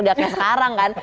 gak kayak sekarang kan